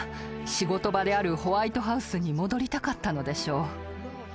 仕事場であるホワイトハウスに戻りたかったのでしょう。